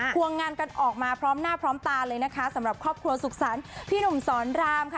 วงงานกันออกมาพร้อมหน้าพร้อมตาเลยนะคะสำหรับครอบครัวสุขสรรค์พี่หนุ่มสอนรามค่ะ